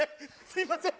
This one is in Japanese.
すいません。